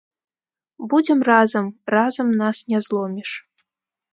Будзем разам, разам нас не зломіш.